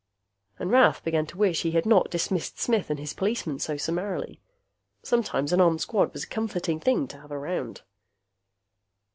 And Rath began to wish he had not dismissed Smith and his policemen so summarily. Sometimes an armed squad was a comforting thing to have around.